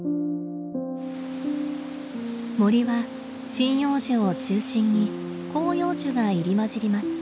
森は針葉樹を中心に広葉樹が入り交じります。